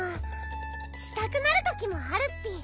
したくなるときもあるッピ。